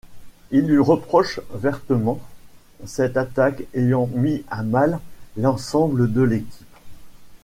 Il lui reproche vertement cette attaque ayant mis à mal l'ensemble de l'équipe.